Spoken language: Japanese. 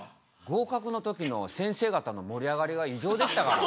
合かくの時の先生方の盛り上がりが異常でしたから。